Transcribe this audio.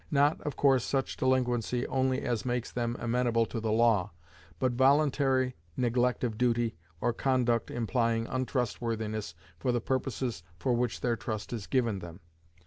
Not, of course, such delinquency only as makes them amenable to the law, but voluntary neglect of duty, or conduct implying untrustworthiness for the purposes for which their trust is given them.